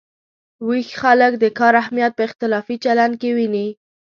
ویښ خلک د کار اهمیت په اختلافي چلن کې ویني.